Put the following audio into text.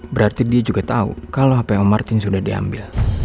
berarti dia juga tahu kalau hpo martin sudah diambil